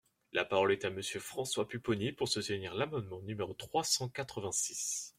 La parole est à Monsieur François Pupponi, pour soutenir l’amendement numéro trois cent quatre-vingt-six.